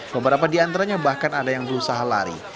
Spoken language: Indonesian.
beberapa di antaranya bahkan ada yang berusaha lari